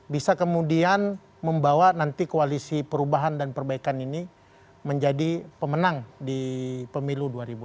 bisa kemudian membawa nanti koalisi perubahan dan perbaikan ini menjadi pemenang di pemilu dua ribu dua puluh